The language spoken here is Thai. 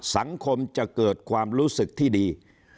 สังคมจะเกิดความรู้สึกที่ดี